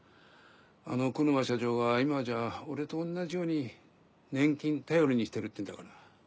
あの小沼社長が今じゃ俺と同じように年金頼りにしてるっていうんだから。